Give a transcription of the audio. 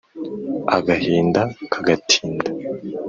Agahinda kagatinda